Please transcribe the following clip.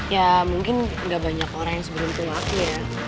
ya mungkin gak banyak orang yang seberuntung waktu ya